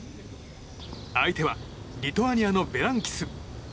相手はリトアニアのベランキス。